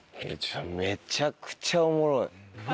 めちゃくちゃおもろい。